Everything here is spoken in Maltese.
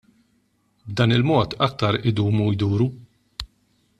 B'dan il-mod aktar idumu jduru.